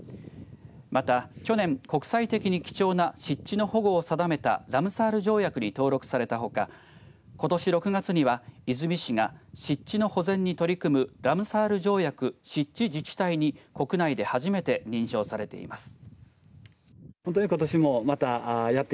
また去年、国際的に貴重な湿地の保護を定めたラムサール条約に登録されたほかことし６月には、出水市が湿地の保全に取り組むラムサール条約湿地自治体に国内で初めて認証されています。